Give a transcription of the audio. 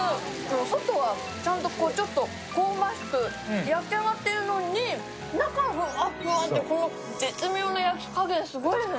外はちゃんと香ばしく焼き上がってるのに中はふわっふわって、この絶妙な焼き加減、すごいですね。